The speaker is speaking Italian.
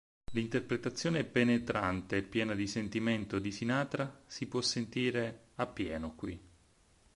L'interpretazione penetrante e piena di sentimento di Sinatra si può sentire a pieno qui.